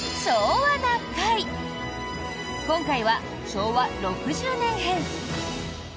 今回は昭和６０年編。